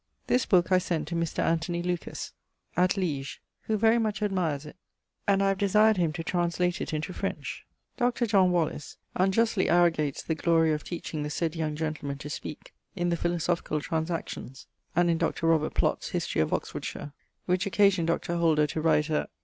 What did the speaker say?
This booke I sent to Mr. Anthony Lucas, at Liege, who very much admires it and I have desired him to translate it into French. Dr. John Wallis unjustly arrogates the glory of teaching the sayd young gentleman to speake, in the Philosophical Transactions, and in Dr. Robert Plott's History of Oxfordshire; which occasioned Dr. Holder to write a ...